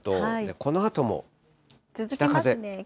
このあとも北風。